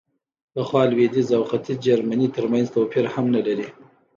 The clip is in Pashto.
پخوا لوېدیځ او ختیځ جرمني ترمنځ توپیر هم نه لري.